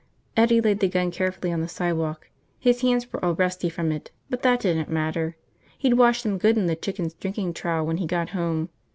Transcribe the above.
Eddie laid the gun carefully on the sidewalk. His hands were all rusty from it, but that didn't matter. He'd wash them good in the chickens' drinking trough when he got home.